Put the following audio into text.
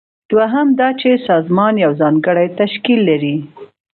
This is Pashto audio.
دوهم دا چې سازمان یو ځانګړی تشکیل لري.